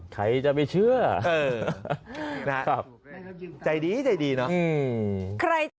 ใครจะไม่เชื่อใจดีเนาะ